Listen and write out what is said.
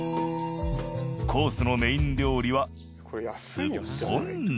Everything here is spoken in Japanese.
コースのメイン料理はすっぽん鍋。